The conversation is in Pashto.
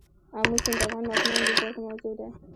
آمو سیند د افغان ماشومانو د زده کړې موضوع ده.